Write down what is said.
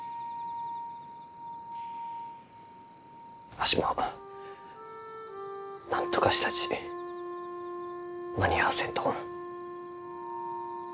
わしもなんとかしたち間に合わせんと。